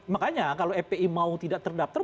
makanya kalau fpi mau tidak terdaftar